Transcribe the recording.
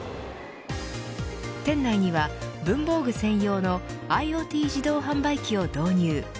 店内には文房具専用のＩｏＴ自動販売機を投入。